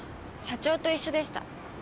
社長と一緒でした。